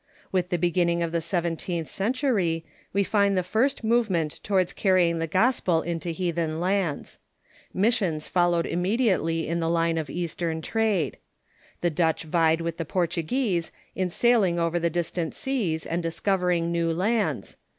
With the beccinninsr of the seven The First ^/. i , Protestant teentli century we find the first movement towards Missions carrying tlie gospel into heathen lands. Missions followed iraraediatel}'^ in the line of Eastern trade. The Dutch vied with the Portuguese in sailing over the distant seas and discovering new lands.